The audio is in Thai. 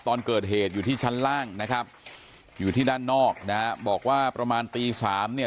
ตอนเกิดเหตุอยู่ที่ชั้นล่างนะครับอยู่ที่ด้านนอกนะฮะบอกว่าประมาณตีสามเนี่ย